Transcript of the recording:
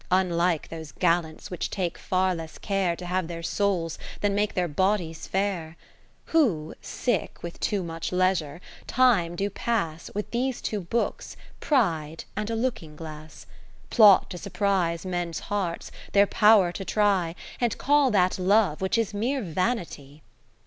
Unlike those gallants which take far less care To have their souls, than make their bodies fair ; Who (sick with too much leisure) time do pass With these two books. Pride, and a looking glass : 60 Plot to surprise men's hearts, their pow'r to try. And call that Love, which is mere Vanity.